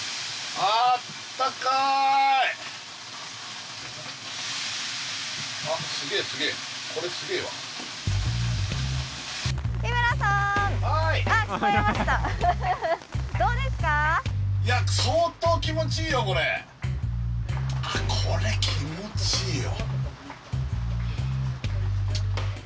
あっこれ気持ちいいよ。